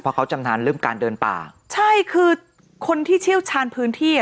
เพราะเขาจำนานเรื่องการเดินป่าใช่คือคนที่เชี่ยวชาญพื้นที่อ่ะ